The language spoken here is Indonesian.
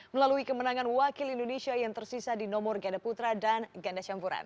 melalui kemenangan wakil indonesia yang tersisa di nomor ganda putra dan ganda campuran